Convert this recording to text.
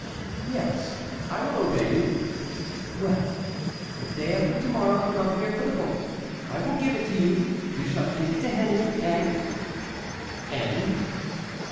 "Yes, I will obey you." "Well, the day after to morrow come here for the book; I will give it to you, you shall take it to Henry, and"— "And?"